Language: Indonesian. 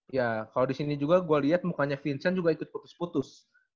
ya kalau di sini juga gue lihat mukanya vincent juga ikut putus putus